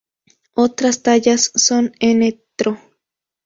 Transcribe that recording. Otras tallas son Ntro.